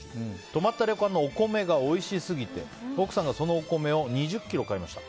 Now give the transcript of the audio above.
泊まった旅館のお米がおいしすぎて奥さんがそのお米を２０ｋｇ買いました。